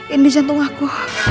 ini jantung aku